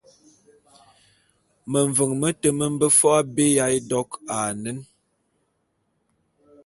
Meveň mete me mbe fo’o abé ya édok a anen.